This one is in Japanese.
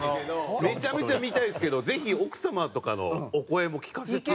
めちゃめちゃ見たいんですけどぜひ奥様とかのお声も聞かせて。